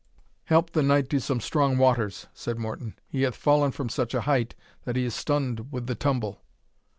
"Help the knight to some strong waters," said Morton; "he hath fallen from such a height, that he is stunned with the tumble."